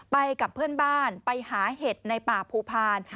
ไปกับเพื่อนบ้านไปหาเห็ดในป่าภูพาล